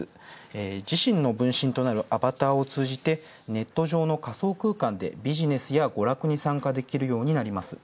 自身の分身となるアバターを通じてネット上の仮想空間でビジネスや娯楽に参加できるようになります。